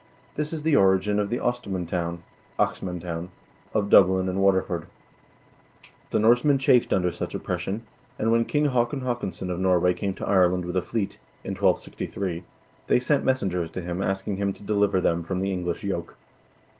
This is the origin of the Ostmantown (Oxmantown) of Dublin and Waterford. The Norsemen chafed under such oppression, and when King Haakon Haakonsson of Norway came to Ireland with a fleet, in 1263, they sent messengers to him asking him to deliver them from the English yoke.